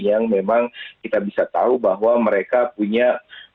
yang memang kita bisa tahu bahwa mereka punya strategi khususnya di sektor industri yang cukup baik ya